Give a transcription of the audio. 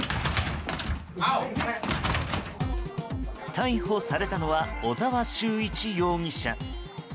逮捕されたのは小澤秀一容疑者。